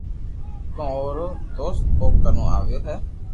ڪو اورو دوست او ڪنو آويو ھي